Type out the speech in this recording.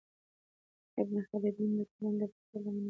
ابن خلدون د ټولنې د پرمختګ لاملونه بیان کړل.